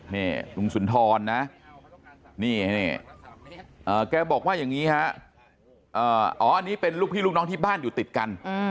นี่ลุงสุนทรนะนี่แกบอกว่าอย่างนี้ฮะอ๋ออันนี้เป็นลูกพี่ลูกน้องที่บ้านอยู่ติดกัน